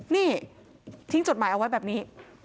นี่ทิ้งจดหมายเอาไว้แบบนี้